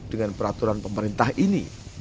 dengan peraturan pemerintah ini